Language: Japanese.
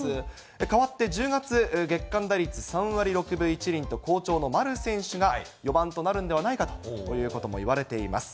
変わって１０月、月間打率３割６分１厘と好調の丸選手が、４番となるんではないかということも言われています。